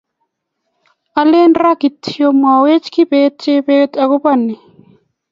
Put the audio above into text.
alen karan kotko mawoch kibet jebet akobo nii